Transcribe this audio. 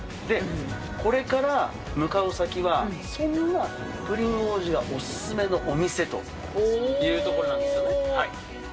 これから向かう先はそんなプリン王子がお勧めのお店というところなんですよね。